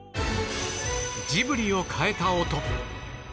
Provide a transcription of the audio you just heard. ジブリを変えた音。